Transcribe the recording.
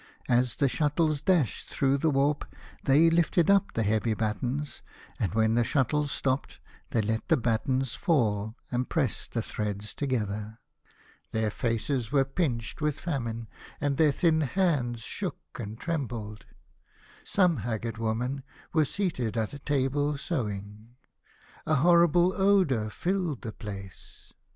As the shuttles dashed through the warp they lifted up the heavy battens, and when the shuttles stopped they let the battens fall and pressed the threads together. Their faces were pinched with famine, and their thin hands shook and trem bled. Some haggard women were seated at a table sewing. A horrible odour filled the place.